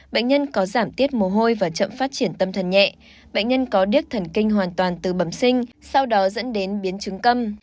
bệnh nhân có giảm tiết mồ hôi và chậm phát triển tâm thần nhẹ bệnh nhân có điếc thần kinh hoàn toàn từ bẩm sinh sau đó dẫn đến biến chứng tâm